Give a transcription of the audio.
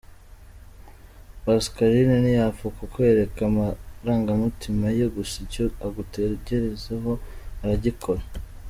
Pascaline ntiyapfa kukwereka amarangamtima ye gusa icyo agutekerezaho aragikora.